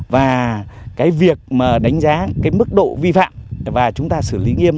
và cái việc mà đánh giá cái mức độ vi phạm và chúng ta xử lý nghiêm